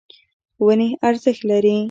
ونې ارزښت لري.